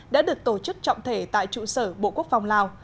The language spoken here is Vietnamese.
đã được tổ chức trọng thể tại trụ sở bộ quốc phòng lào